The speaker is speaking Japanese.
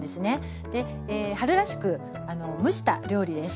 春らしく蒸した料理です。